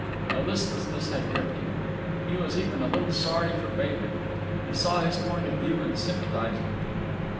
A listlessness had gripped him. He was even a little sorry for Bailey. He saw his point of view and sympathized with it.